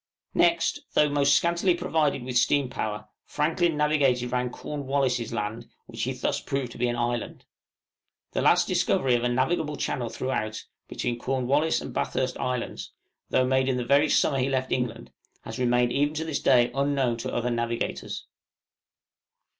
Next, though most scantily provided with steam power, Franklin navigated round Cornwallis' Land, which he thus proved to be an island. The last discovery of a navigable channel throughout, between Cornwallis and Bathurst Islands, though made in the very summer he left England, has remained even to this day unknown to other navigators!